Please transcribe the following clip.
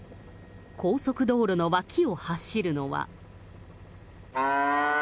高速道路の脇を走るのは。